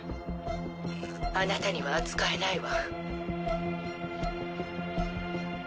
あなたには扱えないわ。